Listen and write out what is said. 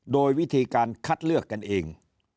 โดยวิธีการคัดเลือกกันเอง